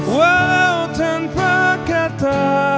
walau tanpa kata